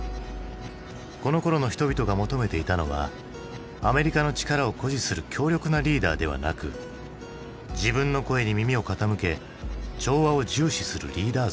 このころの人々が求めていたのはアメリカの力を誇示する強力なリーダーではなく自分の声に耳を傾け調和を重視するリーダー像。